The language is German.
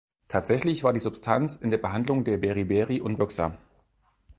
Tatsächlich war die Substanz in der Behandlung der Beriberi unwirksam.